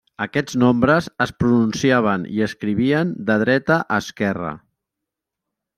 Aquests nombres es pronunciaven i escrivien de dreta a esquerra.